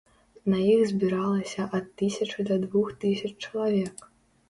На іх збіралася ад тысячы да двух тысяч чалавек.